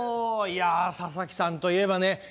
いや佐々木さんといえばね